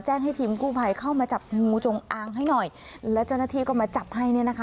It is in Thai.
ให้ทีมกู้ภัยเข้ามาจับงูจงอางให้หน่อยแล้วเจ้าหน้าที่ก็มาจับให้เนี่ยนะคะ